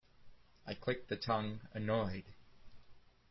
I clicked the tongue, annoyed.